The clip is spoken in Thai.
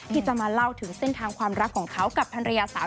ที่จะมาเล่าถึงเส้นทางความรักของเขากับภรรยาสาว